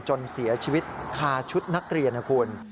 จนเสียชีวิตคาชุดนักเรียนนะคุณ